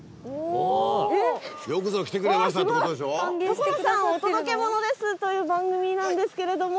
『所さんお届けモノです！』という番組なんですけれども。